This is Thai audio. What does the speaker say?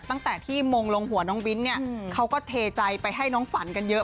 ตั้งแต่ที่มงลงหัวน้องบิ้นเนี่ยเขาก็เทใจไปให้น้องฝันกันเยอะ